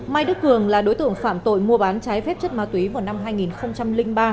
mai đức cường là đối tượng phạm tội mua bán trái phép chất ma túy vào năm hai nghìn ba